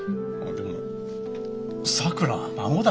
でもさくらは孫だぞ。